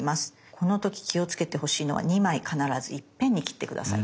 この時気をつけてほしいのは２枚必ずいっぺんに切って下さい。